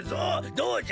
どうじゃ？